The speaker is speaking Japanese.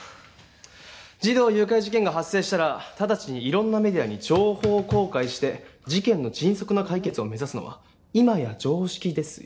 児童誘拐事件が発生したらただちにいろんなメディアに情報公開して事件の迅速な解決を目指すのはいまや常識ですよ。